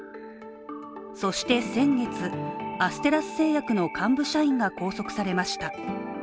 そして先月、アステラス製薬の幹部社員が拘束されました。